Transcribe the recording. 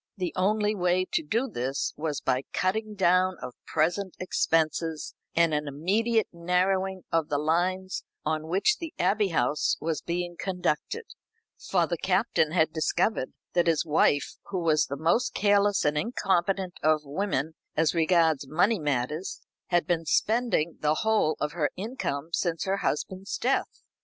The only way to do this was by the cutting down of present expenses, and an immediate narrowing of the lines on which the Abbey House was being conducted; for the Captain had discovered that his wife, who was the most careless and incompetent of women as regards money matters, had been spending the whole of her income since her husband's death.